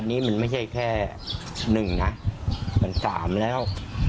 อันนี้มันไม่ใช่แค่หนึ่งนะมันสามแล้ว